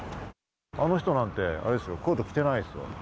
あの人なんてコート着てないですよ。